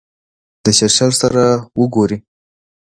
د چرچل سره وګوري.